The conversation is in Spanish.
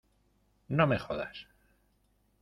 no me jodas.